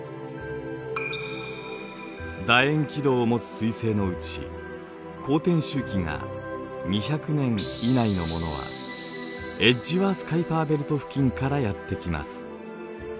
だ円軌道をもつ彗星のうち公転周期が２００年以内のものはエッジワース・カイパーベルト付近からやって来ます。